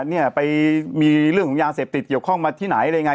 เนี่ยไปมีเรื่องของยาเสพติดเกี่ยวข้องมาที่ไหนอะไรยังไง